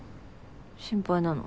心配なの？